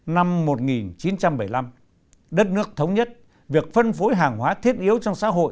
năm một nghìn chín trăm bảy mươi năm đất nước thống nhất việc phân phối hàng hóa thiết yếu trong xã hội